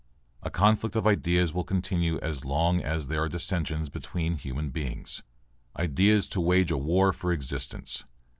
A conflict of ideas will continue as long as there are dissensions between human beings. Ideas to wage a war for existence.